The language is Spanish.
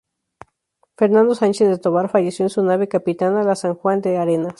Fernando Sánchez de Tovar falleció en su nave capitana, la "San Juan de Arenas".